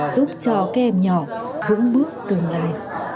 giúp cho các em nhỏ vững bước tương lai